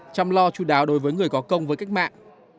chăm lo chú đáo đối với người có công với cách mạng